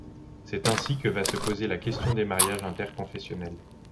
C'est ainsi que va se poser la question des mariages inter-confessionnels.